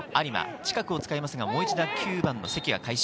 近くを使いますが、もう一度、９番・積が回収。